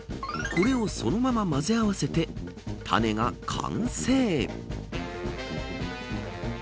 これを、このまま混ぜ合わせてタネが完成。